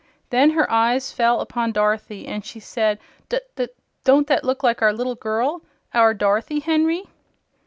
Then her eyes fell upon Dorothy, and she said: "D d d don't that look like our little girl our Dorothy, Henry?"